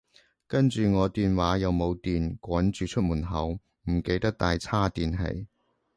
跟住我電話又冇電，趕住出門口，唔記得帶叉電器